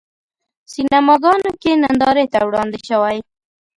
سینماګانو کې نندارې ته وړاندې شوی.